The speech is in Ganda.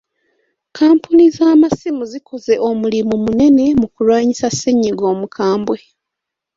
Kkampuni z'amasimu zikoze omulimu munene mu kulwanyisa ssennyiga omukambwe.